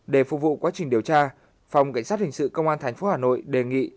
để phục vụ quá trình điều tra phòng cảnh sát hình sự công an tp hà nội đề nghị